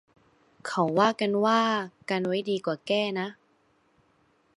เขาว่ากันว่า กันไว้ดีกว่าแก้นะ